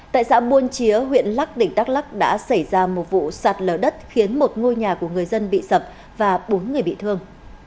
tại xã buôn chĩa huyện lắc tỉnh đắk lắc đã xảy ra một vụ sạt lở đất khiến một ngôi nhà của người dân bị sập và bốn người bị thương